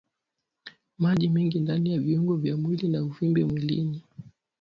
Maji mengi ndani ya viungo vya mwili na uvimbe mwilini